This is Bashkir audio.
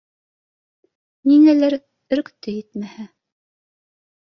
Ниңәлер өрктө, етмәһә